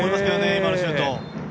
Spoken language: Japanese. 今のシュート。